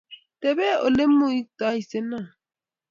Tebe ole imugtaise noo